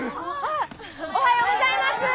おはようございます。